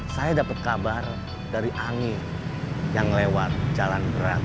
saya dapat kabar dari angin yang lewat jalan berat